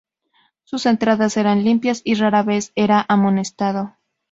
Sus entradas eran limpias y rara vez era amonestado.